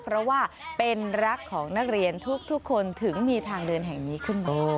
เพราะว่าเป็นรักของนักเรียนทุกคนถึงมีทางเดินแห่งนี้ขึ้นมา